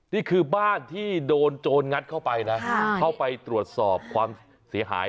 นี่คือบ้านที่โดนโจรงัดเข้าไปนะเข้าไปตรวจสอบความเสียหาย